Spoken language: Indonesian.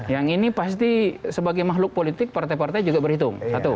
yang ini pasti sebagai makhluk politik partai partai juga berhitung